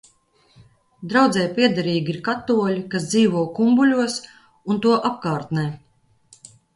Draudzei piederīgi ir katoļi, kas dzīvo Kumbuļos un to apkārtnē.